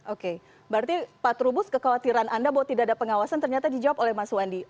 oke berarti pak trubus kekhawatiran anda bahwa tidak ada pengawasan ternyata dijawab oleh mas wandi